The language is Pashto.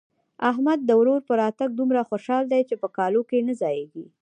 احمد د ورور په راتګ دومره خوشاله دی چې په کالو کې نه ځايېږي.